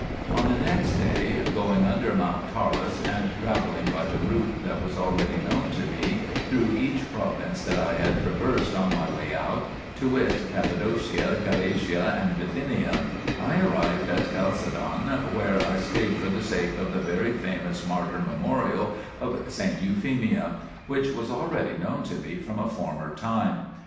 On the next day, going under Mount Taurus, and travelling by the route that was already known to me, through each province that I had traversed on my way out, to wit, Cappadocia, Galatia, and Bithynia, I arrived at Chalcedon, where I stayed for the sake of the very famous martyr memorial of saint Euphemia, 2 which was already known to me from a former time.